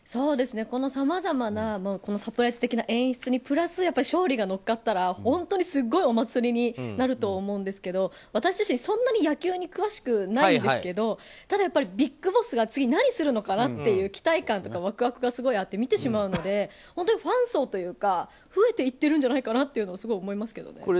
このさまざまなサプライズ的な演出にプラス勝利が乗っかったら、本当すごいお祭りになると思うんですけど私自身、そんなに野球に詳しくないんですけどただ、ＢＩＧＢＯＳＳが次何するのかなっていう期待感とかワクワクがすごいあって、見てしまうので本当にファン層というか増えていってるんじゃないかなというのはすごい思いますけどね。